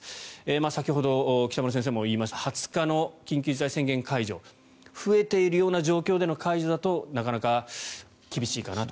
先ほど、北村先生も言いました２０日の緊急事態宣言解除増えているような状況での解除だとなかなか、厳しいかなと。